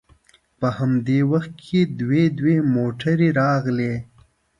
په همدې وخت کې دوې درې موټرې راغلې.